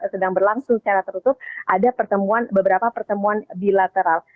sedang berlangsung secara tertutup ada pertemuan beberapa pertemuan bilateral